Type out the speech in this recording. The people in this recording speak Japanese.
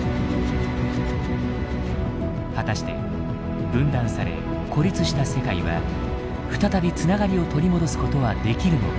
果たして分断され孤立した世界は再び繋がりを取り戻すことはできるのか。